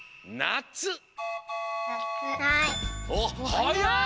はやい！